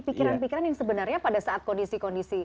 pikiran pikiran yang sebenarnya pada saat kondisi kondisi